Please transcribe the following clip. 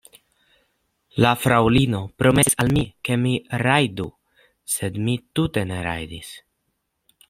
La fraŭlino promesis al mi, ke mi rajdu, sed mi tute ne rajdis.